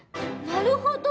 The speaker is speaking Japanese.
なるほど。